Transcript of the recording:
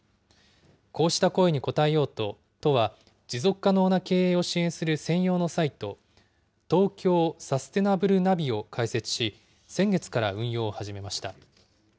こうした声に応えようと、都は持続可能な経営を支援する専用のサイト、東京サステナブルＮａｖｉを開設し、先月から運用を始めました。